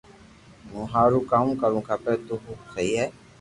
مون ھارو ڪاو ڪروھ کپي تو ھون سھي ھي